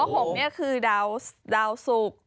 โอ้โหพอ๖นี่คือดาวสุข